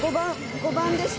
５番でした」